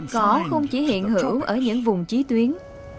cỏ không chỉ hiện hữu ở những vùng trí tuyến